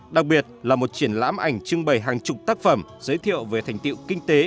đặc biệt là một triển lãm ảnh trưng bày hàng chục tác phẩm giới thiệu về thành tiệu kinh tế